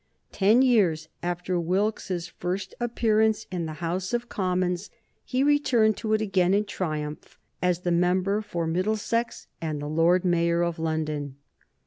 Ten years after Wilkes's first appearance in the House of Commons he returned to it again in triumph as the member for Middlesex and the Lord Mayor of London.